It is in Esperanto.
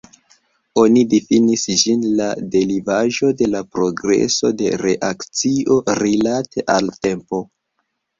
Oni difinis ĝin la derivaĵo de la progreso de reakcio rilate al tempo.